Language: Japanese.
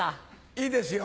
いいですよ